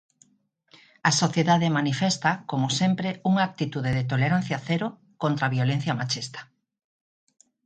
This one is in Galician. A sociedade manifesta, como sempre, unha actitude de tolerancia cero contra a violencia machista.